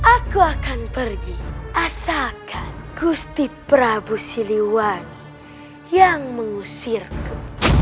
aku akan pergi asalkan gusti prabu siliwangi yang mengusirku